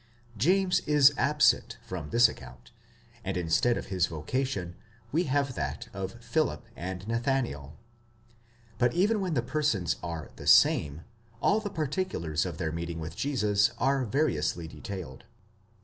James is absent from this account, and instead of his vocation, we have that of Philip and Nathanael. But even when the persons are the same, all the particulars of their meeting with Jesus are variously detailed.